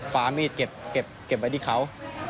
ฟ้ามีดเก็บไว้ที่เขา